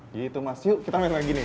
dihitung mas yuk kita main lagi nih